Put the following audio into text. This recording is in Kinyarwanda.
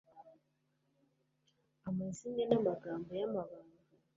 amazimwe n'amagambo y'amabanga